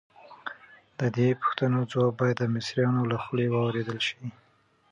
د دې پوښتنو ځواب باید د مصریانو له خولې واورېدل شي.